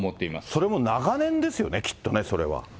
それも長年ですよね、きっとね、それは。